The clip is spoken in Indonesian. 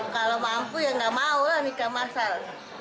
kalau mampu ya nggak mau lah nikah masal